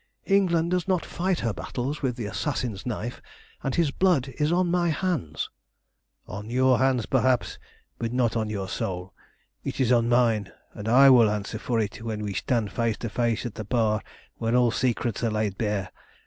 England does not fight her battles with the assassin's knife, and his blood is on my hands" "On your hands, perhaps, but not on your soul. It is on mine, and I will answer for it when we stand face to face at the Bar where all secrets are laid bare.